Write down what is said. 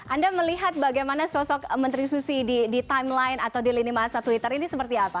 anda melihat bagaimana sosok menteri susi di timeline atau di lini masa twitter ini seperti apa